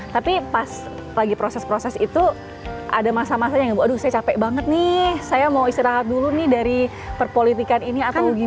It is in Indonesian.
tapi pas lagi proses proses itu ada masa masa yang aduh saya capek banget nih saya mau istirahat dulu nih dari perpolitikan ini atau gimana